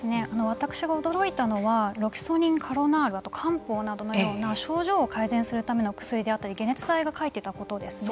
私が驚いたのはロキソニン、カロナールあと漢方などのような症状を改善するための薬であったり解熱剤が書いていたことですね。